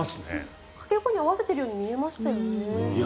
掛け声に合わせているように見えましたよね。